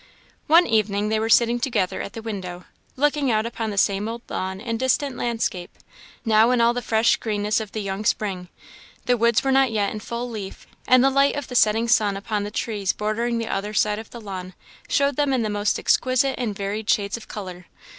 One evening they were sitting together at the window, looking out upon the same old lawn and distant landscape, now in all the fresh greenness of the young spring. The woods were not yet in full leaf; and the light of the setting sun upon the trees bordering the other side of the lawn, showed them in the most exquisite and varied shades of colour.